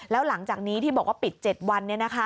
แล้วหลังจากนี้ที่บอกว่าปิด๗วัน